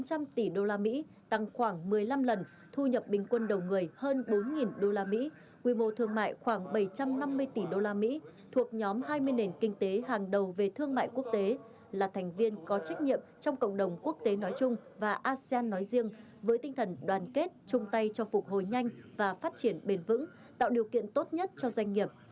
tăng khoảng một mươi năm tỷ đô la mỹ tăng khoảng một mươi năm lần thu nhập bình quân đầu người hơn bốn đô la mỹ quy mô thương mại khoảng bảy trăm năm mươi tỷ đô la mỹ thuộc nhóm hai mươi nền kinh tế hàng đầu về thương mại quốc tế là thành viên có trách nhiệm trong cộng đồng quốc tế nói chung và asean nói riêng với tinh thần đoàn kết chung tay cho phục hồi nhanh và phát triển bền vững tạo điều kiện tốt nhất cho doanh nghiệp